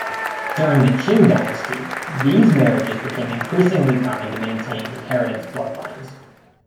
During the Qing dynasty, these marriages became increasingly common to maintain inheritance bloodlines.